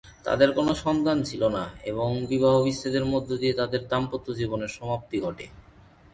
তাদের কোন সন্তান ছিল না এবং বিবাহবিচ্ছেদের মধ্য দিয়ে তাদের দাম্পত্য জীবনের সমাপ্তি ঘটে।